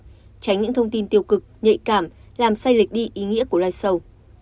tránh những thông tin tiêu cực nhạy cảm làm say lệch đi ý nghĩa của live show